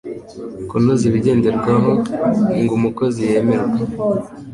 kunoza ibigenderwaho ngo umukozi yemerwe